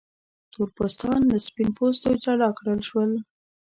تور پوستان له سپین پوستو جلا کړل شول.